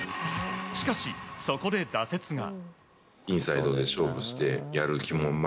しかし、そこで挫折が。